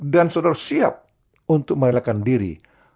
dan saudara siap untuk melakukan diri